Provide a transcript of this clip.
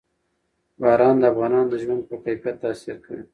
باران د افغانانو د ژوند په کیفیت تاثیر کوي.